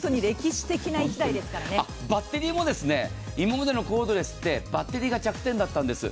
バッテリーも今までのコードレスってバッテリーが弱点だったんです。